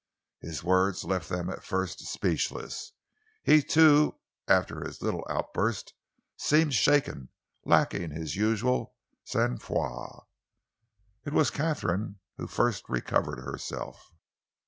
His words left them at first speechless. He, too, after his little outburst seemed shaken, lacking in his usual sangfroid. It was Katharine who first recovered herself.